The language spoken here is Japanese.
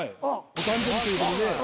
お誕生日ということで。